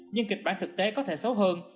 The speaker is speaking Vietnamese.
nhưng kịch bản thực tế có thể xấu hơn